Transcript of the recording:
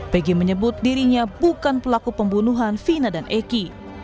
pg menyebut dirinya bukan pelaku pembunuhan vina dan eki